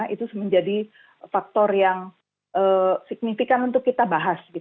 itu menjadi faktor yang signifikan untuk kita bahas